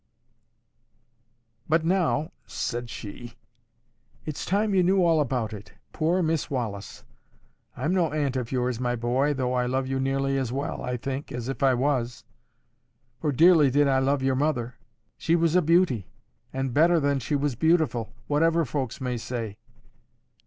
'But now,' said she, 'it's time you knew all about it.—Poor Miss Wallis!—I'm no aunt of yours, my boy, though I love you nearly as well, I think, as if I was; for dearly did I love your mother. She was a beauty, and better than she was beautiful, whatever folks may say.